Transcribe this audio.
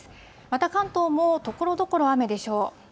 また関東もところどころ雨でしょう。